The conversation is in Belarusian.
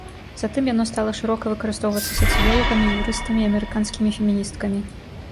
Затым яно стала шырока выкарыстоўвацца сацыёлагамі, юрыстамі і амерыканскімі феміністкамі.